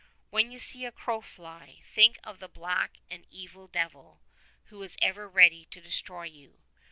"When you see a crow fly, think of the black and evil devil who is ever ready to destroy you.